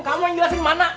kamu yang jelasin mana